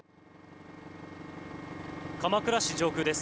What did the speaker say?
鎌倉市上空です。